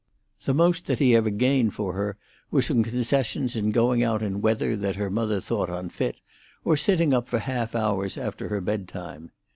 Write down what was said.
The most that he ever gained for her were some concessions in going out in weather that her mother thought unfit, or sitting up for half hours after her bed time.